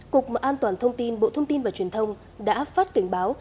cục an toàn thông tin bộ thông tin và truyền thông đã phát cảnh báo